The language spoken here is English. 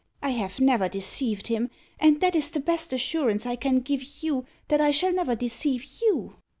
I have never deceived him, and that is the best assurance I can give you that I shall never deceive you."